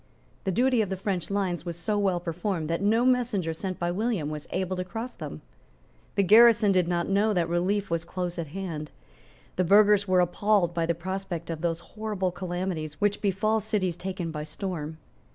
The duty of the French lines was so well performed that no messenger sent by William was able to cross them. The garrison did not know that relief was close at hand. The burghers were appalled by the prospect of those horrible calamities which befall cities taken by storm.